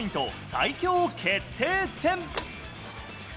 最強決定戦。